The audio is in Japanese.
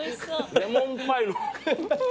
レモンパイの。